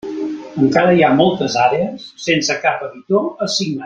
Encara hi ha moltes àrees sense cap editor assignat.